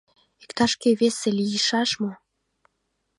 — Иктаж-кӧ весе лийшаш мо?